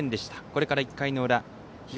これから１回の裏東